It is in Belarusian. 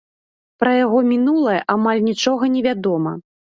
Пра яго мінулае амаль нічога невядома.